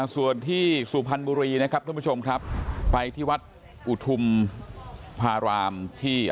ส่วนที่สุพรรณบุรีนะครับท่านผู้ชมครับไปที่วัดอุทุมพารามที่